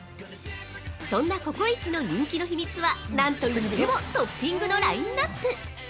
そんなココイチの人気の秘密はなんといっても、トッピングのラインナップ！